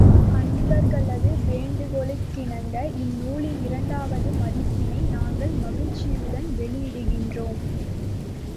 அன்பர்களது வேண்டுகோளுக்கிணங்க இந்நூலின் இரண்டாவது பதிப்பினை நாங்கள் மகிழ்ச்சியுடன் வெளியிடுகின்றோம்.